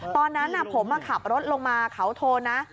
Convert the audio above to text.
ตอนนั้นผมขับรถลงมาเขาโทนนะ